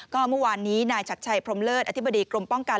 ก็เมื่อวานนี้นายชัดชัยพรมเลิศอธิบดีกรมป้องกัน